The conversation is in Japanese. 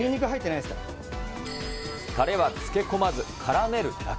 これ、タレは漬け込まず、からめるだけ。